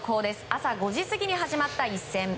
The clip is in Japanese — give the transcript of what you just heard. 朝５時過ぎに始まった一戦。